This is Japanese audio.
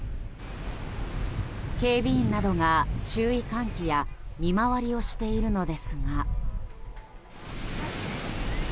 警備員などが注意喚起や見回りをしているのですが。